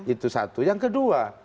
itu satu yang kedua